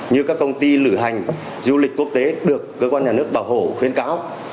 như các công ty lửa hành du lịch quốc tế được cơ quan nhà nước bảo hộ khuyến cáo